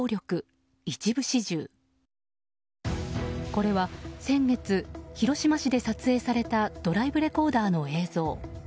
これは先月広島市で撮影されたドライブレコーダーの映像。